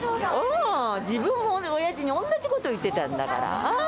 自分もおやじに同じこと言ってたんだから。